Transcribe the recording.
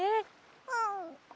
うん。